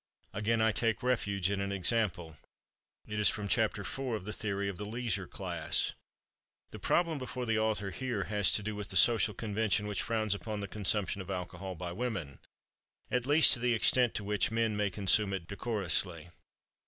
Again I take refuge in an example. It is from Chapter IV of "The Theory of the Leisure Class." The problem before the author here has to do with the social convention which frowns upon the consumption of alcohol by women—at least to the extent to which men may consume it decorously.